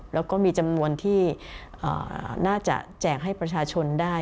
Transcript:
แล้วก็มีจำนวนที่น่าจะแจกให้ประชาชนได้